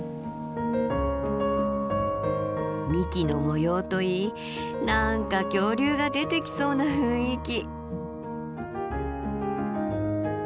幹の模様といい何か恐竜が出てきそうな雰囲気。